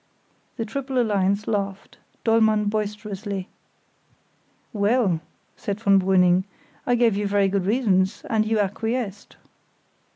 The triple alliance laughed, Dollmann boisterously. "Well," said von Brüning; "I gave you very good reasons, and you acquiesced."